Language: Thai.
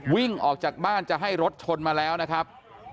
วิ่งออกจากบ้านจะให้รถชนมาแล้วนะครับ